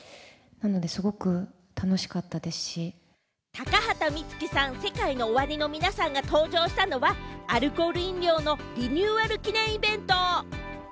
高畑充希さん、ＳＥＫＡＩＮＯＯＷＡＲＩの皆さんが登場したのは、アルコール飲料のリニューアル記念イベント。